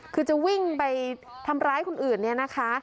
คือจะวิ่งไปทำร้ายคนอื่นเนี่ยนะคะ